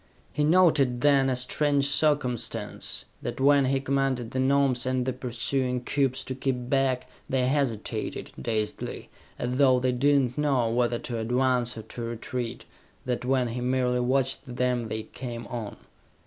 He noted then, a strange circumstance: that when he commanded the Gnomes and the pursuing cubes to keep back, they hesitated, dazedly, as though they did not know whether to advance or to retreat; that when he merely watched them, they came on.